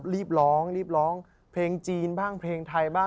แล้วเพลงละ